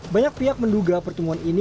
banyak pihak menduga pertemuan ini